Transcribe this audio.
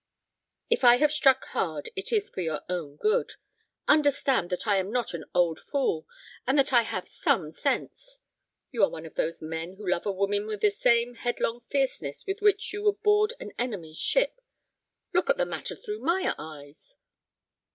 If I have struck hard, it is for your good. Understand that I am not an old fool, and that I have some sense. You are one of those men who love a woman with the same headlong fierceness with which you would board an enemy's ship. Look at the matter through my eyes.